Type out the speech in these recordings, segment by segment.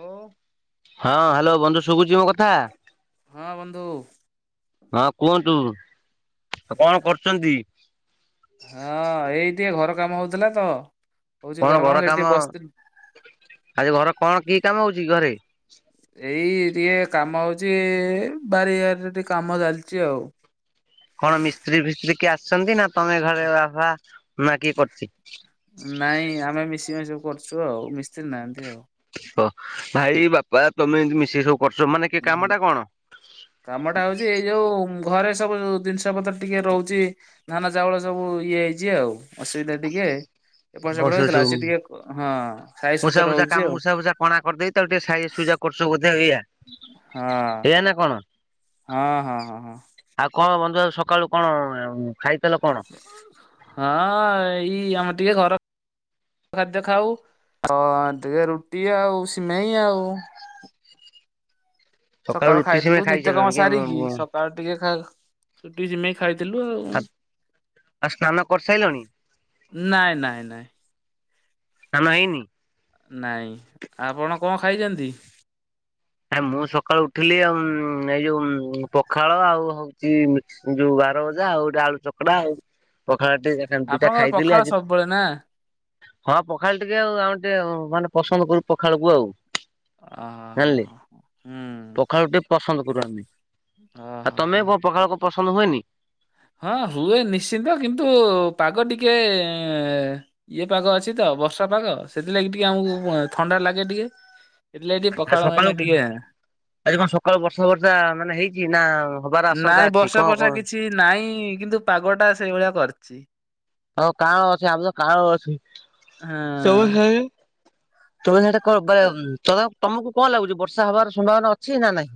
ଓ। ହଁ ହାଲୋ ବନ୍ଧୁ ଶୁଗୁଛି ମୋ କ ହଁ ବନ୍ଧୁ। ହଁ କୁହନ୍ତୁ। ଆଉ କଣ କରୁଚନ୍ତି? ହଁ ଏଇ ଟିକେ ଘର କାମ ହଉଥିଲା ତ ହଉଚି ଘର କାମ ସେଠି ଟିକେ ବସ୍ଥିଲି। ଆଜି ଘର କଣ କି କାମ ହଉଚି ଘରେ? ଏଇ ଟିକେ କାମ ହଉଚି ବାରିଆରେ ଟିକେ କାମ ଚାଲିଚି ଆଉ। କଣ ମିସ୍ତ୍ରୀ ଫିସ୍ତ୍ରୀ କିଏ ଆସିଛନ୍ତି ନା ତମେ ଘରେ ବାପା ମ୍ୟାଗି କରିଚି। ନାଇଁ ଆମେ ମିଶିିମାଶି ସବୁ କରୁଛୁ ଆଉ, ମିସ୍ତ୍ରୀ ନାହାନ୍ତି ଆଉ। ଓ ଭାଇ, ବାପା, ତମେ ଏମତି ମିଶିକି ସବୁ କରୁଛ, ମାନେ କି କାମଟା କଣ? କାମଟା ହଉଛି ଏଇ ଯୋଉ ଘରେ ସବୁ ଜିନିଷ ପତ୍ର ଟିକେ ରହୁଛି। ଧାନ ଚାଉଳ ସବୁ ଇଏ ହେଇଛି ଆଉ, ଅସୁବିଧା ଟିକେ ଏପଟ ଓ ସେପଟ ସୁ ହେଇଥିଲା ସୁ ସେ ଟିକେ ହଁ ସାଇ ମୂଷା ସୁତର ଫୁଷା ହଉଛି କା ଆଉ ମୂଷା ଫୁଷା କଣା କରିଦେଇଚି ତାକୁ ଟିକେ ସାଇଜ଼ ସୁଉଜ଼ା କରୁଛୁ ବୋଧେ ଏଇଆ। ହଁ। ଏଇଆ ନା କଣ? ହଁ ହଁ ହଁ ହଁ। ଆଉ କଣ ବନ୍ଧୁ, ସକାଳୁ କଣ ଖାଇ ହଁ ଏଇ ଆମର ଟିକେ ଘର ଖାଦ୍ୟ ଖାଉ, ହ ଟିକେ ରୁଟି ଆଉ ସିମେଇ ଆଉ। ସକାଳୁ ରୁଟି ସିମେଇ ଖାଇଥିଲୁ ନିତ୍ୟ ଖାଇସାରିଲଣି କାମ କି ସାରିକି ସକାଳୁ ଟିକେ ରୁଟି ସିମେଇ ଖାଇଥିଲୁ ଆଉ। ଆଉ ସ୍ନାନ କରିସାରିଲଣି? ନାଇଁ ନାଇଁ ନାଇଁ। ସ୍ନାନ ହେଇନି? ନାଇଁ, ଆପଣ କଣ ଖାଇଛନ୍ତି? ଆ ମୁଁ ସକାଳୁ ଉଠିଲି ଆଉ ଏଇ ଯୋଉ ପଖାଳ ଆଉ ହଉଛି ଯୋଉ ବାରବଜା ଆଉ ଗୋଟେ ଆଳୁ ଚକଡ଼ା ଆଉ, ପଖାଳ ଟିକେ ଏମିତି ଦିଟା ଆପଣଙ୍କର ଖାଇଦେଲି, ପଖାଳ ଆଜି ସବୁବେଳେ ନା ହଁ ପଖାଳ ଟିକେ ଆଉ ଆମେ ଟିକେ ମାନେ ପସନ୍ଦ କରୁ ପଖାଳକୁ ଆଉ। ଓହୋ ହଁ ହଁ ହଁ। ପଖାଳ ଟିକେ ପସନ୍ଦ କରୁ ଆମେ ଅହ ଆଉ ହ। ତମେ କୋ ପଖାଳକୁ ପସନ୍ଦ ହୁଏନି। ହଁ ହୁଏ ନିଶ୍ଚିନ୍ତ କିନ୍ତୁ ପାଗ ଟିକେ ଇଏ ପାଗ ଅଛି ତ ବର୍ଷା ପାଗ ସେଥିଲାଗି ଟିକେ ଆମକୁ ଥଣ୍ଡା ଲାଗେ ଟିକେ ସେଥିଲାଗି ଟିକେ ଆଜି ପଖାଳ ସକାଳୁ ଏଇନା ଟିକେ ଆଜି କଣ ସକାଳୁ ବର୍ଷା ବର୍ଷା ମାନେ ହେଇଛି ନା? ହବାର ଆଶଙ୍କା ନାଇଁ ଅଛି ବର୍ଷା କଣ ଫର୍ଷା କଣ? କିଛି ନାଇଁ କିନ୍ତୁ ପାଗଟା ସେଇଭଳିଆ କରିଛି। ହଉ କାଳ ଅଛି ଆମ କାଳ ଅଛି ହଁ ସବ ତମେ ସେଟା କଣ କରିବା ତମକୁ କଣ ଲାଗୁଛି ବର୍ଷା ହବାର ସମ୍ଭାବନା ଅଛି ନା ନାହିଁ?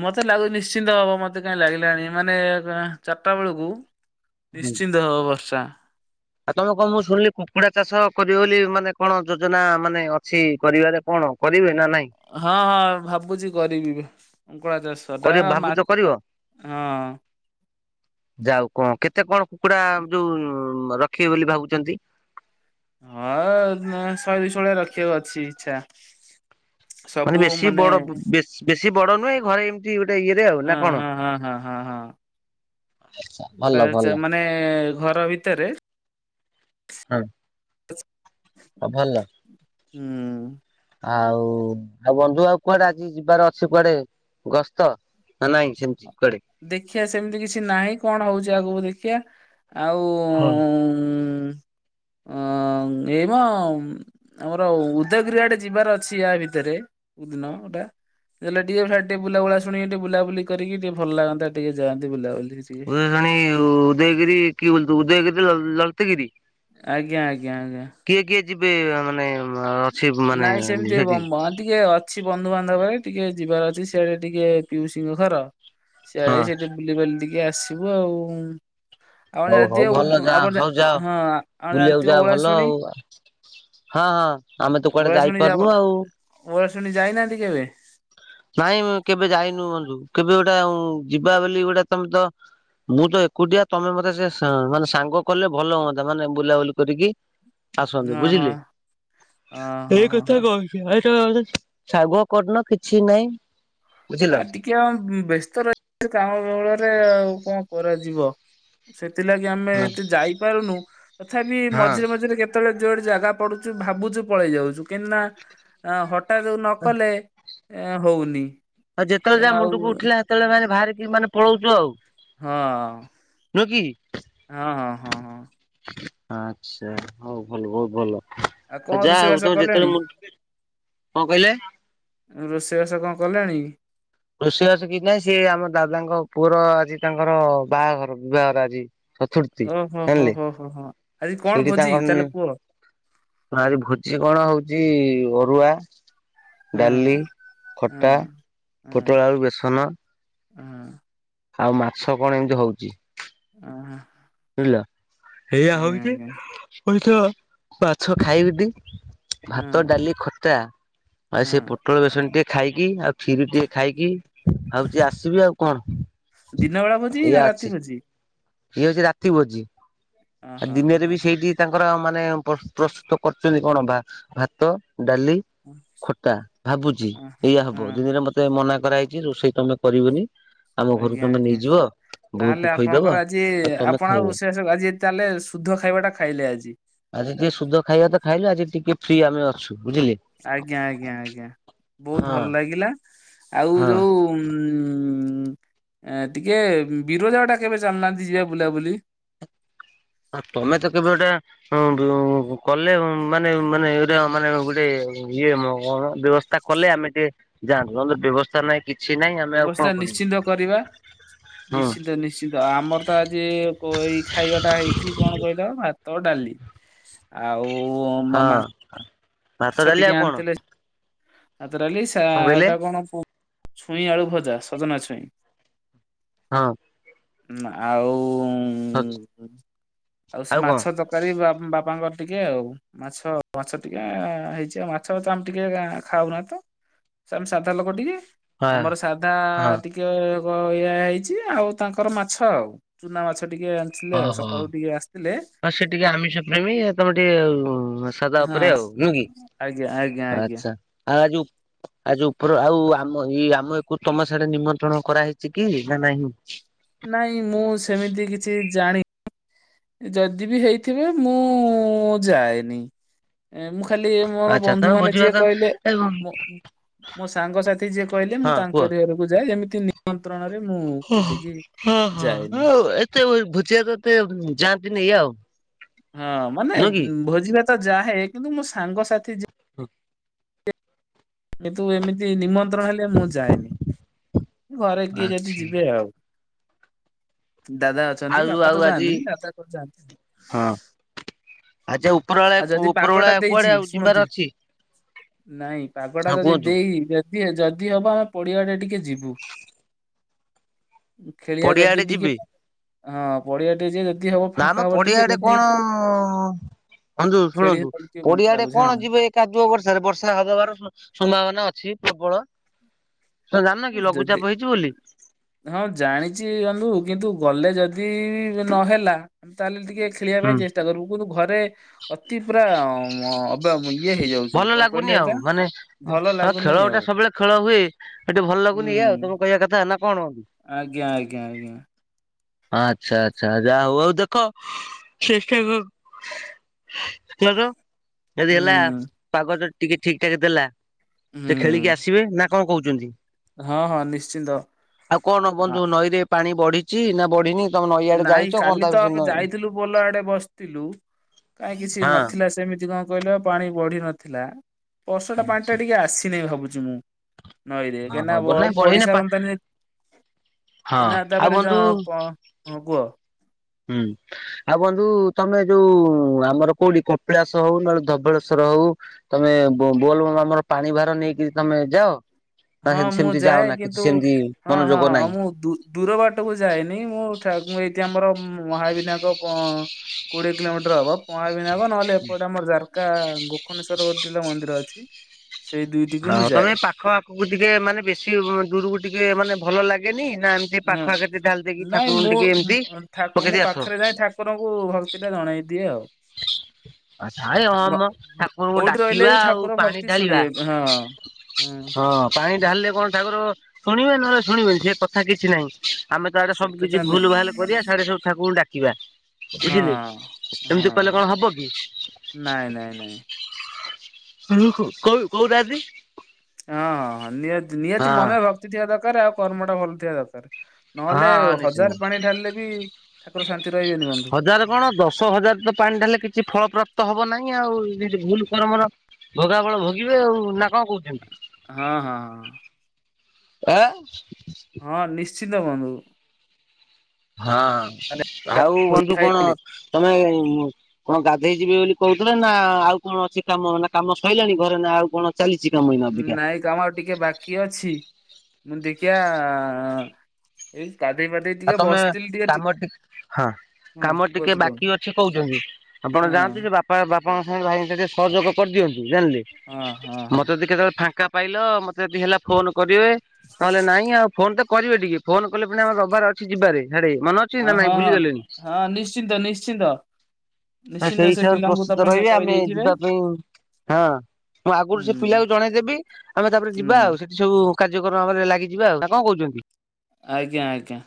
ମତେ ଲାଗୁଛି ନିଶ୍ଚିନ୍ତ ହବ ମତେ କାହିଁ ଲାଗିଲାଣି ମାନେ ଚାରିଟା ବେଳକୁ ନିଶ୍ଚିନ୍ତ ହବ ବର୍ଷା। ଆଉ ତମେ କଣ ମୁଁ ଶୁଣିଲି କୁକୁଡା ଚାଷ କରିବ ବୋଲି ମାନେ କଣ ଯୋଜନା ମାନେ ଅଛି କରିବାରେ କଣ? କରିବେ ନା ନାଇଁ? ହଁ ଭାବୁଛି କରିବି କୁକୁଡ଼ା ଚାଷ। କରିବ ଭାବୁଛ କରିବ? [unintelligible] ହଁ। ଯାଉ କଣ କେତେ କଣ କୁକୁଡା ଯୋଉ ରଖିବେ ବୋଲି ଭାବୁଛନ୍ତି? ହଁ ଶହେ ଦୁଇଶହ ଭଳିଆ ରଖିବାକୁ ଅଛି ଇଚ୍ଛା। ମାନେ ବେଶୀ ବଡ ବେଶୀ ବଡ ନୁହେଁ ଘରେ ଏମିତି ଗୋଟେ ଇଏରେ ଆଉ ନା ହଁ କଣ? ହଁ ହଁ ହଁ ହଁ ହଁ। ଆଚ୍ଛା ଭଲ ଗୋଟେ ଭଲ। ମାନେ ଘର ଭିତରେ ହଁ। ଭଲ ହୁଁ। ଆଉ ଆଉ ବନ୍ଧୁ ଆଉ କୁଆଡେ ଆଜି ଯିବାର ଅଛି କୁଆଡେ ଗସ୍ତ? ନା ନାଇ ସେମତି କୁଆଡେ। ଦେଖିବା ସେମିତି କିଛି ନାଇଁ କଣ ହଉଚି ଆଗକୁ ଦେଖିଆ। ଆଉ ହଁ ଉଁ ଆଁ ଏଇ ମ। ଆମର ଉଦୟଗିରି ଆଡେ ଯିବାର ଅଛି ୟା ଭିତରେ ଦିନଟା ଗୋଟେ। ହେଲେ ଟିକେ ହେର୍ ଟିକେ ବୁଲାଶୁଣି ଟିକେ ବୁଲାବୁଲିି କରିକି ଟିକେ ଭଲ ଲାଗନ୍ତା ଟିକେ ଯାଆନ୍ତି ବୁଲାବୁଲି ଛି। ରାଣି ଉଦୟଗିରି କି ବୁ ଉଦୟଗିରି ଲଳତଗିରି। ଆଜ୍ଞା ଆଜ୍ଞା ଆଜ୍ଞା। କିଏ କିଏ ଯିବେ ମାନେ ଅ ନାଇଁ ସେମିତି ବ ବ ତିକେ ଅ। ଅଛି ବନ୍ଧୁବାନ୍ଧବକି ଟିକେ ଯିବାର ଅଛି ସିଆଡେ ଟିକେ ପିଉସିିଙ୍କ ଘର ସିଆଡେ ହଁ। ସେଠି। ଦିବାଲି ଟିକେ ଆସିବୁ ଆଉ। ଆପଣ ହଉ ହଉ ଜାଣିଥିବେ ଭଲ ଉ- ଯା ଆପଣ ଜା- ହଉ ଯାଅ ହଁ ଆପଣ ବୁଲିବାକୁ ଜାଣିଥିବେ ଯାଅ ଭଲ ଓଳାଶୁଣୀ ଆଉ। ହଁ ହଁ। ଆମେ ତ କୁଆଡେ ଓଳାଶୁଣି ଯା [unintelligible] ଯାଇପାରୁନୁ ବ ଆଉ। ଓଳାଶୁଣି ଯାଇନାହାନ୍ତି କେବେ? ନାଇଁ ମୁଁ କେବେ ଯାଇନୁ ବନ୍ଧୁ କେବେ ଗୋଟେ ଆଉ ଯିବା ବୋଲି ଗୋଟେ ତମେ ତ। ମୁଁ ତ ଏକୁଟିଆ ତମେ ମତେ ସେ ସା ମାନେ ସାଙ୍ଗ କଲେ ଭଲ ହୁଅନ୍ତା ମାନେ ବୁଲାବୁଲି କରିକି। ଆସନ୍ତୁ ହଁ ହଁ ବୁଝିଲେ ହଁ ହଁ ଏଇ ହଁ କଥା ହଁ। ଗଇଁ। ବାଇଶ ଶାଗ କରନ କିଛି ନାଇଁ ବୁଝିଲ? କିଅ ବ୍ୟସ୍ତ ରହି କାମ ବଳରେ ଆଉ କଣ କରାଯିବ। ସେଥିଲାଗି ଆମେ ହଁ ଏଠି ଯାଇପାରୁନୁ ତଥାପି ମଝିରେ ମଝିରେ କେ ଯେତେଳେ ଯୁଆଡେ ଜାଗା ପଡୁଚୁ ଭାବୁଚୁ ପଳେଇ ଯାଉଚୁ କି ନା ହଠାତ୍ ଉ ନ କଲେ ଏ ହଉନି। ଆଉ ଯେତେଳେ ଯା ଆଉ ମୁଣ୍ଡକୁ ଉଠିଲା ସେତେବେଳେ ମାନେ ବାହାରିକି ମାନେ ପଳଉଚୁ ଆଉ। ହଁ ନୁହ କିି? ହଁ ହଁ ହଁ ହଁ। ଆଚ୍ଛା ହଉ ଭଲ ବହୁତ୍ ଭଲ। ଆଉ କଣ ଯା ଆଉ ରୋଷେଇବାସ ତ କଲେଣି ଯେତେବେଳେ ମୁଁ କଣ କହିଲେ? ରୋଷେଇ ବାସ କଣ କଲେଣି? ରୋଷେଇ ବାସ କିଛି ନାହିଁ ସିଏ ଆମ ଦାଦାଙ୍କ ପୁଅର ଆଜି ତାଙ୍କର ବାହାଘର ବିବାଘର ଆଜି। ଚଥୁ ଅ ହଁ ହଁ ହଁ ହଁ ହଁ। ସେଇଠି ତାଙ୍କର ନି ନା ଆଜି ଭୋଜି କଣ ହଉଚି ଅରୁଆ? ଡାଲି ହଁ। ଖଟା ହଁ ହଁ ପୋଟଳ ଆଳୁ ବେସନ ହଁ ଆଉ ମାଛ କଣ ଏମିତି ହଉଚି। ଅ ହଁ ହଁ ହଁ। ବୁଝିଲ ଏଇଆ ହଉଚି ପବିତ୍ର ମାଛ ଖାଇବି ଦି। ଭାତ ହଁ ଡାଲି ଖଟା ଆଉ ସେ ହଁ ପୋଟଳ ବେସନ ଟିକେ ଖାଇକି ଆଉ କ୍ଷୀର ଟିକେ ଖାଇକି ଆଉ ଯିଏ ଆସିବେ ଆଉ କଣ? ଦିନ ବେଳା ଭୋଜି ଏଇଆ ନା ଅଛି ରାତି ଭୋଜି। ଇଏ ହଉଚି ରାତି ଭୋଜି ଆ ଓହୋ ହୋ ଦିନରେ ହୋ ବି ହୋ ସେଇଟି ତାଙ୍କର ମାନେ ପ୍ର ପ୍ରସ୍ତୁତ କରିଚନ୍ତି କଣ ବା ଭାତ ଡାଲି ହଁ ଖଟା ଭାବୁଚି ଏଇଆ ହବ ହଁ ଦି ଦିରେ ମ ସେ ମନା କରାହେଇଚି ରୋଷେଇ ତମେ କରିବନି ଆମ ଘରୁ ଆଜ୍ଞା ତମେ ଆଜ୍ଞା ନେଇଯିବ ବୋଉକୁ ଖୋଇଦବ। ଆଉ ଏ ତମେ ଆପଣ ଖାଇବ ଆଉ ସେ ସବୁ ଆଜି ତାହେଲେ ଶୁଦ୍ଧ ଖାଇବାଟା ଖାଇଲେ ଆଜି। ଆଜି ଟିକେ ସୁଧ ଖାଇବା ତ ଖାଇଲୁ ଆଜି ଟିକେ ଫ୍ରି ଆମେ ଅଛୁ ବୁଝିଲେ? ଆଜ୍ଞା ଆଜ୍ଞା ଆଜ୍ଞା ବହୁତ୍ ହଁ ଭଲ ଲାଗିଲା ଆଉ ହଁ ଯୋଉ [unintelligible] ଟିକେ ବିରଜା ଟା କେବେ ଚାଲନାହାନ୍ତି ଯିବା ବୁଲାବୁଲି। ଆଉ ତମେ ତ କେବେ ଗୋଟେ? ହଁ କଲେ ମାନେ ମାନେ ଏଟା ମାନେ ଗୋଟେ ଇଏ କଣ ବ୍ୟବସ୍ଥା। କଲେ ଆମେ ଟିକେ ଯାଆନ୍ତୁ ନହେଲେ ବ୍ୟବସ୍ଥା ନାହିଁ କିଛି ନାହିଁ ଆମେ ଆଉ କଣ ବ୍ୟବସ୍ଥା କରିବୁ ନିଶ୍ଚିନ୍ତ କରିବା ହୁଁ ନିଶ୍ଚିନ୍ତ ନିଶ ଶ୍ଚିତ୍ ଆମର ତ ଆଜି ଏଇ ଖାଇବାଟା ହେଇଛି କଣ କହିଲ ଭାତ ଡାଲି। ଆଉ ମ ହଁ ମା ଭାତ ମାଛ ଡାଲି ଟିକେ ଆଉ କଣ ଆଣିଥିଲେ ଭାତ ଡାଲି କଣ କହିଲେ ସେଉଟା କଣ ଛୁଇଁ ଆଳୁ ଭଜା, ସଜନା ଛୁଇଁ। ହଁ। ଉଁ ଆଉ ଉଁ ଆଉ ସେ ମାଛ ତର କରି ବାପାଙ୍କର ଟିକେ ଆଉ ମାଛ ମାଛ ଟିକେ ହେଇଛି ଆଉ ମାଛ ମାଛ ଆମେ ଟିକେ ଖାଉନାତ, ସେ ଆମେ ସାଧା ଲୋକ ଟିକେ। ହଁ ଆମର ସାଧା ହଁ ଟିକ୍ ଟିକେ ଇ -ଏୟା ହେଇଛି ଆଉ ତାଙ୍କର ମାଛ ଆଉ, ଚୁନା ମାଛ ଟିକେ ଆସିଲେ ଓହୋ। ସକାଳୁ ଟିକେ ଆସିଥିଲେ। ହଁ ସେ ଟିକେ ଆମିଷ ପ୍ରେମୀ ତମେ ଟିକେ ସଦା ହଁ ଉପରେ ଆଉ ନୁକି ଆଜ୍ଞା ଆଜ୍ଞା ଆଜ୍ଞା ଆଚ୍ଛା ଆ ଯୋଉ ଆଜି ଉପର ଆଉ ଆମ ଇ ଆମ ଏକୁ ତମ ସିଆଡେ ନିମନ୍ତ୍ରଣ କରାହେଇଛି କି ନା ନାହିଁ? ନାଇଁ ମୁଁ ସେମିତି କିଛି ଜାଣି ଯଦି ବି ହେଇଥିବେ ମୁଁ ଯାଏନି ମୁ ଖାଲି ମୋର ଆଚ୍ଛା ବନ୍ଧୁ ତମେ ମାନେ ଭୋଜି ଯିଏ ଭାତ କହିଲେ ମୁଁ ମୋ ସାଙ୍ଗସାଥି ଯିଏ କହିଲେ ମୁଁ ହଁ କୁହ। ତାଙ୍କରି ଘରକୁ ଯାଏ ଯେମିତି ନିୟନ୍ତ୍ରଣ ରେ ମୁଁ କୋଠିକି ହଁ ହୋ ଆଉ ଏତେ ଭୋଜିଆ ତ ଏତେ ଯାଆନ୍ତିନି ଏୟା ଆଉ। ହଁ ମାନେ ନୁହଁ କି? ଭୋଜିି ଭାତ ଯାହେ କିନ୍ତୁ ମୁ ସାଙ୍ଗସାଥି ଯ ହୁଁ। କିନ୍ତୁ ଏମିତି ନିମନ୍ତ୍ରଣ ହେଲେ ମୁଁ ଯାଏନି ଘରେ କିଏ ଯଦି ଆଚ୍ଛା ଯିବେ ଆଉ। ଦାଦା ଅଛନ୍ତି। ଆଉ ବାପା ଆଉ ତ ଆଜି ଯାଆନ୍ତିନି। ଦାଦା, ଖୁଡି ଯାନ୍ତି। ହଁ ଆଜି ଉପରବେଳା ଆଉ ଯଦି ପାଗ ଟା ଉପରବେଳା କୁଆଡେ ଦେଇଚି, ଆଉ ଯିବାର ଶୁନୁଚି ଅଛି ନାଇଁ ପାଗଟା ହଁ ତ ଯଦି କୁହନ୍ତୁ ଦେଇି ଯେ ଯଦି ହବ ଆମେ ପଡିଆଟେ ଟିକେ ଯିବୁ? ଖେଳିବା ଯଦି ଯିବେ? ଟିକେ ହଁ ପଡିଆ ଟିକେ ଯିବା ଯଦି ହବ ନାମ ଫାଙ୍କା ହବ ପଡିଆ ଟିକେ ଆଡେ ଯଦି କଣ? ବନ୍ଧୁ ଖେଳି ଶୁଣନ୍ତୁ ହବ ଟିକେ ମତେ ପଡିଆଡେ ଲାଗୁଛି କଣ ଯିବେ କାଦୁଅ ବର୍ଷାରେ ବର୍ଷା ହବବାର ସମ୍ଭାବନା ଅଛି ପ୍ରବଳ। ତମେ ଜାଣିନ ହଁ କି ଯଦି ଲଘୁଚାପ ହେଇଛି ବୋଲି। ହଁ ଜାଣିଚି ବନ୍ଧୁ କିନ୍ତୁ ଗଲେ ଯଦି ନହେଲା ତାହେଲେ ଟିକେ ଖେଳିବା ହୁଁ ପାଇଁ ଚେଷ୍ଟା କରିବୁ। କିନ୍ତୁ ଘରେ ଅତି ପୁରା ଅ ବା ଇଏ ହେଇଯାଉଚୁ। ଭଲ କଣ ଲାଗୁନି କହିଲେ ଆଉ ଏଇଟା, ମାନେ ଭଲ ହଁ ଖେଳ ଲାଗୁନି ଗୋଟା ଆଉ। ସବୁବେଳେ ଖେଳ ହୁଏ ହେଟି ଭଲ ଲାଗୁନି ଏଇଆ ଆଉ ହୁଁ ତମେ କହିବା କଥା ନା କଣ ବନ୍ଧୁ? ଆଜ୍ଞା, ଆଜ୍ଞା, ଆଜ୍ଞା। ଆଚ୍ଛା, ଆଚ୍ଛା ଯା ହଉ, ଆଉ ଦେଖ ଚେଷ୍ଟାକର। [inaudible] ଯଦି ହେଲା ହୁଁ ପାଗ ଜଦି ଟିକେ ଠିକ୍ ଠାକ୍ ଦେଲା, ସେ ଖେଳିକି ହୁଁ ଆସିବେ ନା କଣ କହୁଚନ୍ତି? ହଁ ହଁ ନିଶ୍ଚିନ୍ତ। ଆଉ କଣ ବନ୍ଧୁ ନଈରେ ପାଣି ବଢିଛି ନା ବଢିନି ତମେ ନଈଆଡେ ନାଇଁ ଯାଇଛ କଣ କାଲି ତା ତ ଆମେ ବିଷୟରେ ଯାଇଥିଲୁ ପୋଲ ଆଡେ ବସିଥିଲୁ। କାଇଁ କିଛି ନଥିଲା ସେମିତି କଁ କହିଲ ପାଣି ବଢି ନଥିଲା ବର୍ଷା ଟା ପାଣି ହଁ। ଟା ଟିକେ ଆସିନାହିଁ ଭାବୁଚି ମୁଁ। ନଈରେ ହଁ କାହିଁକିନା ହବ ନାଇଁ ବଳିନା ପା ପଡିଶାରନ୍ତାଣି ହଁ ଏ ନା ଆଉ ତାପରେ ଯ ବନ୍ଧୁ ପ ହଁ କୁହ। ହୁଁ। ଆଉ ବନ୍ଧୁ ତମେ ଯୋଉ ଆମର କୋଉଠି କପିଳାସ ହଉ ନହେଲେ ଧବଳେଶ୍ଵର ହଉ- ତମେ ବୋଲ ବମ୍ ଆମର ପାଣି ଭାର ନେଇକି ତମେ ଯାଅ। ନା ହଁ ସେ ମୁଁ ସେମିତି ଯାଏ ଯାଅନା କିଛି କିନ୍ତୁ ସେମିତି ହଁ ହଁ ମନୋଯୋଗ ହଁ ନାହିଁ। ମୁଁ ଦୂ- ଦୂର ବାଟକୁ ଯାଏନି ମୁଁ ଏଇଠି ଆମର ମହାବିନାୟକ କ କୋଡ଼ିଏ କିଲୋମିଟର ହବ। ମହାବିନାୟକ ନହେଲେ ଏପଟେ ଆମର ଜାରକା ଗୋକନେଶ୍ଵର ଗୋଟେ ମନ୍ଦିର ଅଛି। ସେଇ ଦୁଇଟିକୁ ହଁ ମୁଁ ତମେ ଯାଏ ପାଖ ଆଖକୁ ଟିକେ ମାନେ ବେଶୀ ଦୂରକୁ ଟିକେ ଭଲ ଲାଗେନି ନା ଏମ ନି ସେ ହଁ। ପାଖ ଆଖ ଢାଲି ଦେଇକି ନାଇଁ ଠାକୁରଙ୍କୁ ମୁଁ ଟିକେ ଏମିତି ଠାକୁ ପକେଇ ମୁଁ ଦେଇ ଆସ। ପାଖରେ ଯାଇ ଠାକୁରଙ୍କୁ ଭକ୍ତିଟା ଜଣେଇ ଦିଏ ଆଉ। ଭାଇ ହଁ ଭ- ମ ଠାକୁରଙ୍କୁ କୋଉଠି ରହିଲେ ଡାକିବା ବି ଆଉ ଠାକୁର ପାଣି ଭକ୍ତି ଢାଳିବା ଶୁଣିବେ ହଁ। ହଁ ପାଣି ଢାଳିଲେ କଣ ଠାକୁର ଶୁଣିବେ ନହେଲେ ଶୁଣିବେନି ସେ କଥା କିଛି ନାହିଁ। ଆମେ ତ ଆଡେ ସେ ସବୁ କଥା କିଛି ନୁହେଁ ଭୁଲ ଭାଲ କରିବା ସିଆଡେ ସବୁ ଠାକୁରଙ୍କୁ ଡାକିବା। ହଁ ବୁଝିଲେ ଏମିତି ହଁ କହିଲେ କଣ ହବ କି। ନାଇଁ ନାଇଁ ନାଇଁ ହ କଉ କୋଉ ନାହାତି। ହଁ ନିହାତି ନିହାତି ମନରେ ଭକ୍ତି ଥିବା ଦରକାର ଆଉ କର୍ମଟା ଭଲ ଥିବା ଦରକାର। ହଁ ନହେଲେ ହଁ ନିଶ୍ଚିନ୍ତ ହଜାର ପାଣି ଢାଳିଲେ ବି ଠାକୁର ଶାନ୍ତି ରହିବେନି ବନ୍ଧୁ। ହଜାର କଣ ଦଶ ହଜାର ତ ପାଣି ଢାଳିଲେ କିଛି ଫଳ ପ୍ରପ୍ତ ହବ ନାହିଁ ଆଉ ଭୁଲ କର୍ମର ଭୋଗା ଫଳ ଭୋଗିବେ ଆଉ ନା କଣ କହୁଚନ୍ତି। ହଁ-ହଁ-ହଁ। ଆଁ। ହଁ ନିଶ୍ଚିନ୍ତ ବନ୍ଧୁ। ହଁ ତାହେଲେ ଆଉ ବନ୍ଧୁ କଣ ଖାଇଲେ ତମେ କଣ ଗାଧେଇ ଯିବେ ବୋଲି କହୁଥିଲେ ନା ଆଉ କଣ ଅଛି କାମ ନା କାମ ସରିଲାଣି ଘରେ ନା ଆଉ କଣ ଚାଲିଚି କାମ ଏଇନା ଅଧିକା। ନାଇଁ କାମ ଆଉ ଟିକେ ବାକି ଅଛି ମୁଁ ଦେଖିିଆ ଏଇ ଗାଧେଇ ପାଧେଇ ଆଉ ଟିକେ ତମେ ବସଥିଲି କାମ ଟିକେ ଟି ହଁ ହଁ କାମ କୁହ ଟିକେ ତୁ କୁହ ବାକି ଅଛି କହୁଚନ୍ତି ଆପଣ ହଁ ଯାଆନ୍ତୁ ଯେ ବା ବାପା ବାପାଙ୍କ ସାଙ୍ଗରେ ଭାଇ ସହଯୋଗ କରିଦିଅନ୍ତୁ ଜାଣିଲେ ହଁ ହଁ ହଁ ମତେ ଯଦି କେତେବେଳେ ଫାଙ୍କା ପାଇଲ ମତେ ଯଦି ହେଲା ଫୋନ କରିବେ ନହେଲେ ନାଇଁ ଆଉ। ଫୋନ ତ କରିବେ ଟିକେ ଫୋନ କଲେ ପୁଣି ଆମେ ରବବାର ଅଛି ଯିବାରେ ସାଡେ ମନ ଅଛି ନା ନାଇଁ ଭୁଲିଗଲେଣି। ହଁ-ହଁ-ହଁ-ହଁ ନିଶ୍ଚିନ୍ତ ନିଶ୍ଚିନ୍ତ। ହଁ ନିଶ୍ଚିନ୍ତ ସେଇ ସେ ହିସାବରେ ପିଲାଙ୍କୁ ତ ପ୍ରସ୍ତୁତ ଆପଣ ଟିକେ ରହିବେ ଆମେ କହିଦେଇଥିବେ ଯିବା ପାଇଁ ହଁ ମୁଁ ଆଗରୁ ସେ ହୁଁ ପିଲାକୁ ଜଣେଇଦେବି ଆମେ ତାପରେ ହୁଁ ଯିବା ଆଉ ସେ ସବୁ କାର୍ଯ୍ୟକ୍ରମ ଆମରେ ଲାଗିଯିବା ଆଉ କଣ କହୁଛନ୍ତି। ଆଜ୍ଞା ଆଜ୍ଞା।